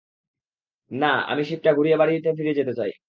না, আমি শিপটা ঘুরিয়ে বাড়িতে ফিরে যেতে চাই!